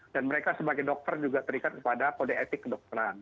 dan mereka sebagai dokter juga terikat kepada kode etik kedokteran